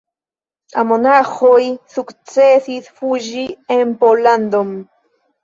La monaĥoj sukcesis fuĝi en Pollandon.